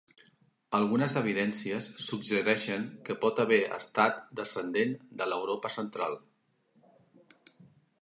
Algunes evidències suggereixen que pot haver estat descendent de l'Europa central.